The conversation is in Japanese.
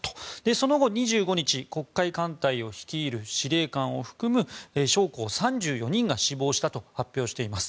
その後、２５日黒海艦隊を率いる司令官を含む将校３４人が死亡したと発表しています。